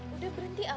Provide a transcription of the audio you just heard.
udah berhenti alan